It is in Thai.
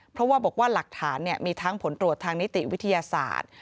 เพราะว่าบอกว่าหลักฐานมีทั้งผลตรวจทางนิติวิทยาศาสตร์